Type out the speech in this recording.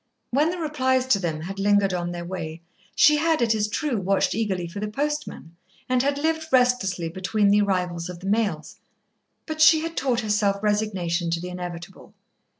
When the replies to them had lingered on their way she had, it is true, watched eagerly for the postman, and had lived restlessly between the arrivals of the mails, but she had taught herself resignation to the inevitable.